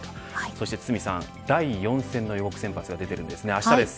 そして堤さん第４戦の予告先発出ているんですがあしたです。